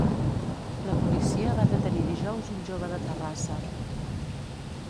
La policia va detenir dijous un jove de Terrassa